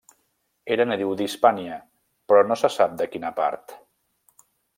Era nadiu d'Hispània però no se sap de quina part.